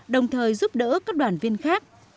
đồng thời giúp đỡ các đoàn viên khác